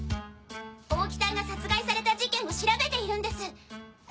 大木さんが殺害された事件を調べているんです。